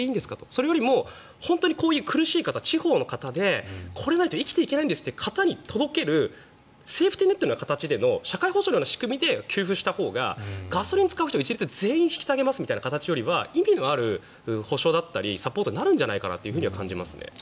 それよりも地方の方でこれがないと生きていけないんですという方に届けるセーフティーネットのような形で社会保障のような形で給付するほうがガソリンを一律で引き下げますみたいなことより意味のある補償だったりサポートになるんじゃないかと。